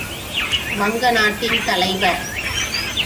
வங்க நாட்டின் தலைவர்.